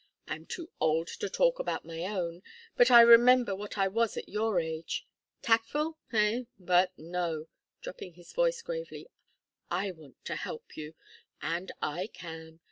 I am too old to talk about my own, but I remember what I was at your age. Tactful, hey? But no," dropping his voice gravely. "I want to help you. And I can.